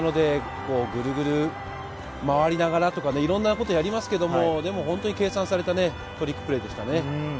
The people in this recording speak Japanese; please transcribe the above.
グルグル回りながら、いろんなことをやりますけれども計算されたトリックプレーでしたね。